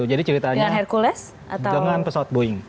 jadi ceritanya dengan pesawat boeing